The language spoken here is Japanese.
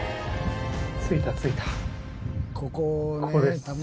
着いた着いた。